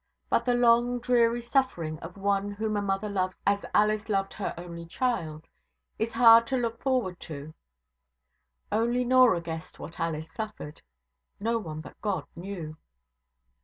But the long, dreary suffering of one whom a mother loves as Alice loved her only child, is hard to look forward to. Only Norah guessed what Alice suffered; no one but God knew.